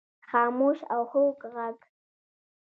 خاموش او خوږ ږغ